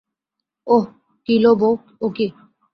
ও কী লো বৌ, ও কী?